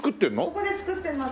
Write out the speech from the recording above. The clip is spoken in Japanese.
ここで作ってます。